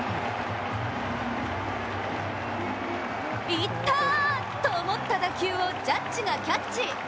いったー！と思った打球をジャッジがキャッチ。